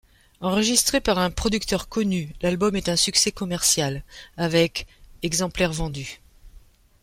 Enregistré par un producteur connu, l'album est un succès commercial, avec exemplaires vendus.